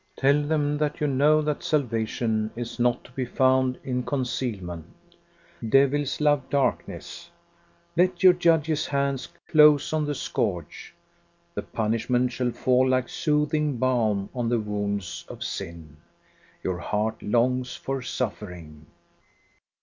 Tell them that you know that salvation is not to be found in concealment. Devils love darkness. Let your judges' hands close on the scourge ! The pun ishment shall fall like soothing balm on the wounds of sin. Your heart longs for suffering.